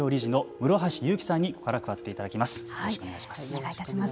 よろしくお願いします。